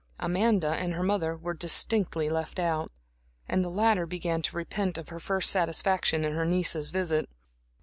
Amanda and her mother were distinctly left out, and the latter began to repent of her first satisfaction in her niece's visit.